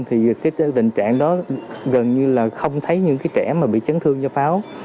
tình trạng đó gần như không thấy những trẻ bị chấn thương do pháo